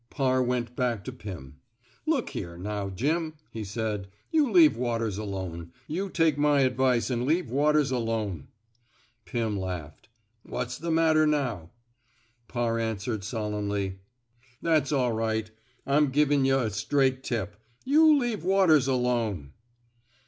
Parr went back to Pim. Look here, now, Jim," he said. You leave Waters alone. You take my advice an' leave Waters alone." Pim laughed. What's the matter, nowf " Parr answered, solemnly: That's all 177 tf THE SMOKE EATERS right. I'm givin' yuh a straight tip. You leave Waters alone.